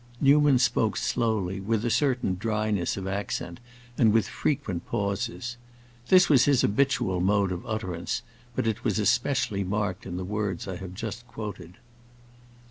Newman spoke slowly, with a certain dryness of accent and with frequent pauses. This was his habitual mode of utterance, but it was especially marked in the words I have just quoted.